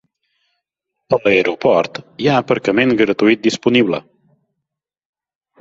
A l'aeroport hi ha aparcament gratuït disponible.